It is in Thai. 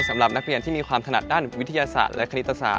สำหรับนักเรียนที่มีความถนัดด้านวิทยาศาสตร์และคณิตศาส